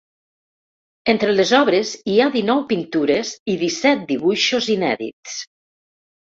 Entre les obres, hi ha dinou pintures i disset dibuixos inèdits.